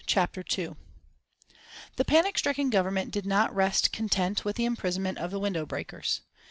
CHAPTER II The panic stricken Government did not rest content with the imprisonment of the window breakers.